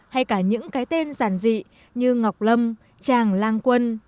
hay cả những cái tên giản dị như ngọc lâm tràng lan quân